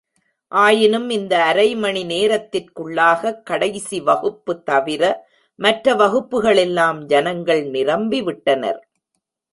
ஆயினும் இந்த அரைமணி நேரத்திற்குள்ளாக கடைசி வகுப்பு தவிர, மற்ற வகுப்புகளெல்லாம் ஜனங்கள் நிரம்பி விட்டனர்!